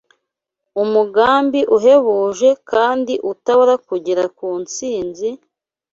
umugambi uhebuje kandi utabura kugera ku ntsinzi,